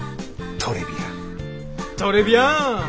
トレビアン！